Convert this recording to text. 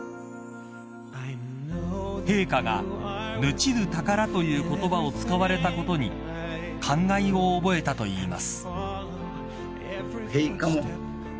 ［陛下が「ぬちどぅたから」という言葉を使われたことに感慨を覚えたといいます］